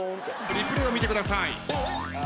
リプレイを見てください。